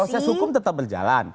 proses hukum tetap berjalan